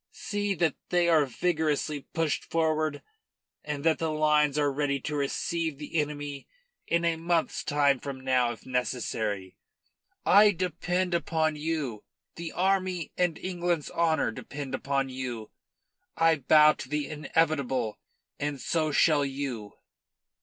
See that they are vigorously pushed forward and that the lines are ready to receive the army in a month's time from now if necessary. I depend upon you the army and England's honour depend upon you. I bow to the inevitable and so shall you."